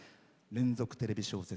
連続テレビ小説